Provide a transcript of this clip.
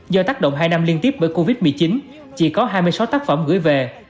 do tác động hai năm liên tiếp bởi covid một mươi chín chỉ có hai mươi sáu tác phẩm gửi về